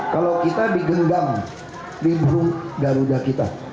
kalau kita digendam di burung garuda kita